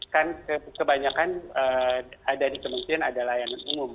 kan kebanyakan ada di kementerian ada layanan umum